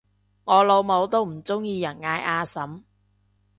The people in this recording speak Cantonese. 我老母都唔鍾意人嗌阿嬸